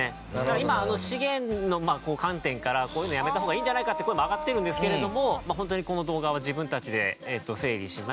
今資源の観点からこういうのやめた方がいいんじゃないかって声も上がってるんですけれどもまあ本当にこの動画は自分たちで整理して。